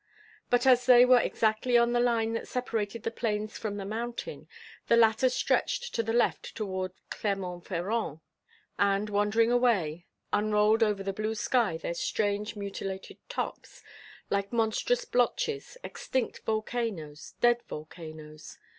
But, as they were exactly on the line that separated the plains from the mountain, the latter stretched to the left toward Clermont Ferrand, and, wandering away, unrolled over the blue sky their strange mutilated tops, like monstrous blotches extinct volcanoes, dead volcanoes.